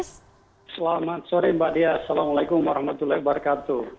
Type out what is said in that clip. selamat sore mbak dias assalamualaikum wr wb